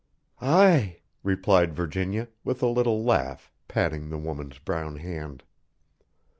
"Ae," replied Virginia, with a little laugh, patting the woman's brown hand.